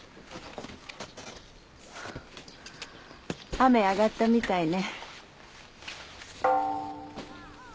雨上がったみたいね。